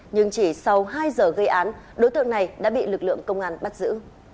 nhưng chỉ sau hai giờ gây án đối tượng này đã bị lực lượng công an bắt giữ